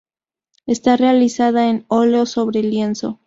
Está realizada en oleo sobre lienzo.